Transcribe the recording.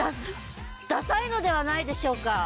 ダサいのではないでしょうか？